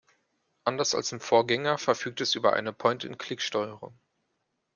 Anders als im Vorgänger verfügt es über eine Point-and-Click-Steuerung.